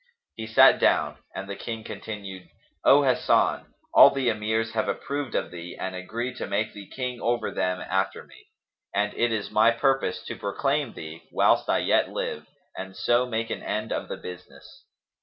He sat down and the King continued, "O Hasan, all the Emirs have approved of thee and agreed to make thee King over them after me; and it is my purpose to proclaim thee, whilst I yet live, and so make an end of the business."